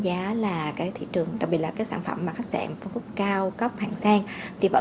giá là cái thị trường đặc biệt là các sản phẩm mà khách sạn văn khúc cao cấp hàng sang thì vẫn